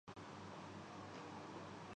لہٰذا وہ مجھے خیر ہی کی باتیں کہتا ہے